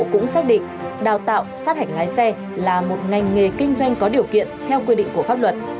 cũng xác định đào tạo sát hạch lái xe là một ngành nghề kinh doanh có điều kiện theo quy định của pháp luật